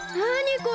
これ。